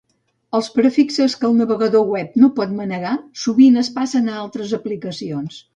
Els prefixes que el navegador web no pot manegar sovint es passen a altres aplicacions.